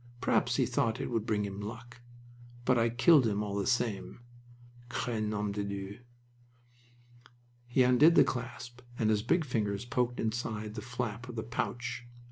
"Perhaps he thought it would bring him luck. But I killed him all the same! 'Cre nom de Dieu!" He undid the clasp, and his big fingers poked inside the flap of the pouch.